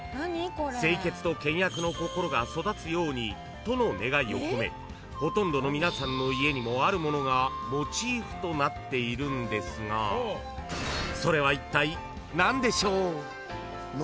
［清潔と倹約の心が育つようにとの願いを込めほとんどの皆さんの家にもあるものがモチーフとなっているんですがそれはいったい何でしょう？］